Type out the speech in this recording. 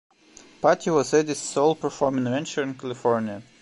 "Party" was Eddie's sole performing venture in California.